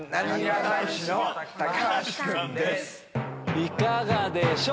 いかがでしょう？